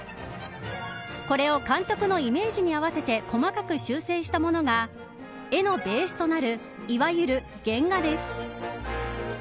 これを監督のイメージに合わせて細かく修正したものが絵のベースとなるいわゆる原画です。